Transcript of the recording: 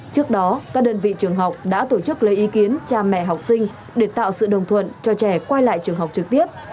trước đó các đơn vị trường học đã tổ chức lấy ý kiến cha mẹ học sinh để tạo sự đồng thuận cho trẻ quay lại trường học trực tiếp